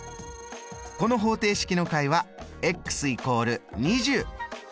この方程式の解は＝２０。